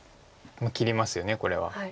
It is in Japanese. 切りますよねこれは。